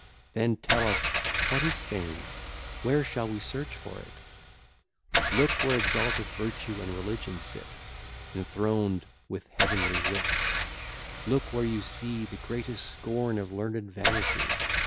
Then tell us what is Fame, where shall we search for it? Look where exalted Virtue and Religion sit, Enthroned with heavenly Wit! Look where you see The greatest scorn of learned vanity!